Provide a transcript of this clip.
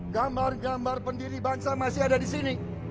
gambar gambar pendiri bangsa masih ada di sini